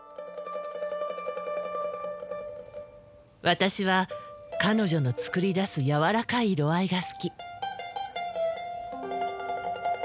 私は彼女の作り出す柔らかい色合いが好き。